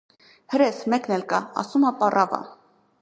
Հրես մեկն էլ կա, ասում ա, պառավ ա.